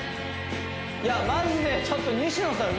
いやマジでちょっと西野さん